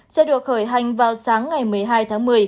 sẽ được khởi hành vào sáng ngày một mươi hai tháng một mươi